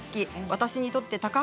私にとって高橋